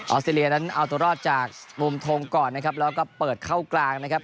สเตรเลียนั้นเอาตัวรอดจากมุมทงก่อนนะครับแล้วก็เปิดเข้ากลางนะครับ